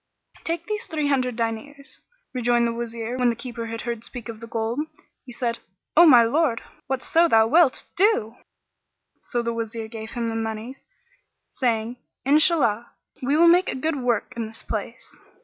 "Take these three hundred diners," rejoined the Wazir When the Keeper heard speak of the gold, he said, "O my lord, whatso thou wilt, do!" So the Wazir gave him the monies, saying, "Inshallah, we will make a good work in this place!"